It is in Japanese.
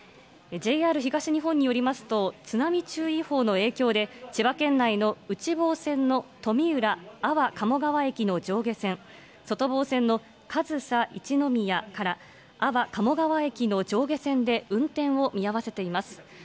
ＪＲ東日本によりますと、津波注意報の影響で、千葉県内の内房線の富浦・安房鴨川駅の上下線、外房線の上総一ノ宮から安房鴨川駅の上下線で運転を見合わせています。